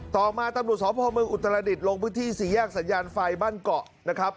ต่อมาตำรวจสพเมืองอุตรดิษฐ์ลงพื้นที่สี่แยกสัญญาณไฟบ้านเกาะนะครับ